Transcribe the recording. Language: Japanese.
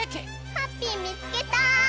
ハッピーみつけた！